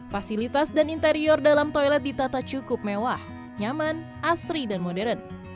fasilitas dan interior dalam toilet ditata cukup mewah nyaman asri dan modern